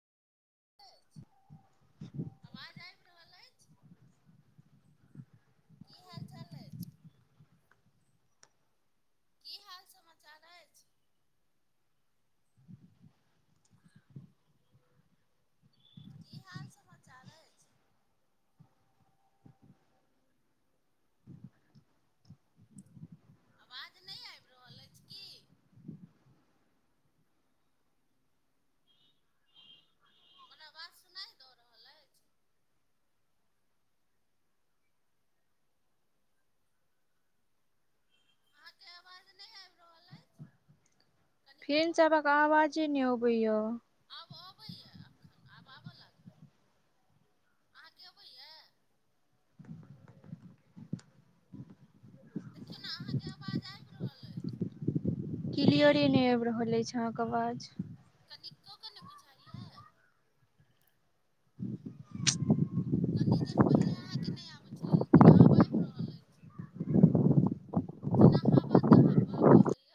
आवाज आबि रहल अछि कि हाल चाल अय। की हाल समाचार अइछ। की हाल समाचार अइछ। आवाज नै आइब रहल अइछ की। हमर आबाज सुनाइ दऽ रहल अइछ। अहाके आवाज नहि आइब फेन सभक आवाजे नै अबै यऽ। आब अबैये अखैन आब आबऽ लागल। अहाँके अबैया देखियै ने अहाँके आवाज आइब रहल अइछ। कीलयरे नै आइब रहल अइछ अहाँके आवाज। कनिको क नै बुझाइयै। कनी देर पहिले अहाँके नहि आबै छलै लेकिन आब आबि रहल अछि। जेना हवा तऽ हवा बहैय।